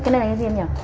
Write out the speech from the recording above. cái này là cái gì em nhỉ